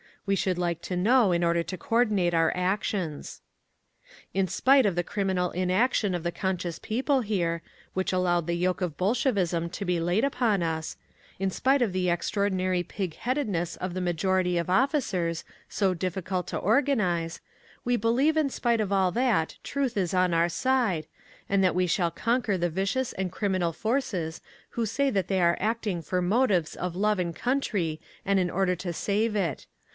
We should like to know in order to coordinate our actions. "In spite of the criminal inaction of the conscious people here, which allowed the yoke of Bolshevism to be laid upon us—in spite of the extraordinary pig—headedness of the majority of officers, so difficult to organise—we believe in spite of all that Truth is on our side, and that we shall conquer the vicious and criminal forces who say that they are acting for motives of love of country and in order to save it.